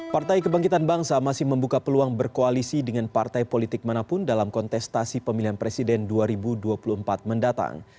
partai kebangkitan bangsa masih membuka peluang berkoalisi dengan partai politik manapun dalam kontestasi pemilihan presiden dua ribu dua puluh empat mendatang